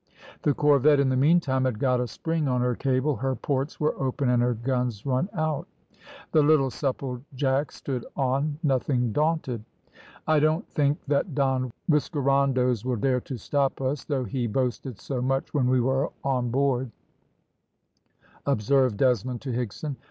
The corvette in the meantime had got a spring on her cable, her ports were open and her guns run out. The little Supplejack stood on, nothing daunted. "I don't think that Don Whiskerandos will dare to stop us, though he boasted so much when we were on board," observed Desmond to Higson.